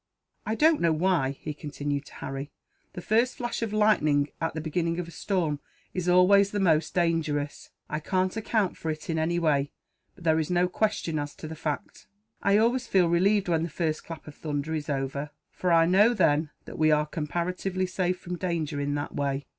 "I don't know why," he continued, to Harry, "the first flash of lightning at the beginning of a storm is always the most dangerous. I can't account for it, in any way, but there is no question as to the fact. I always feel relieved when the first clap of thunder is over; for I know, then, that we are comparatively safe from danger, in that way."